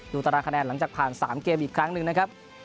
ตารางคะแนนหลังจากผ่าน๓เกมอีกครั้งหนึ่งนะครับ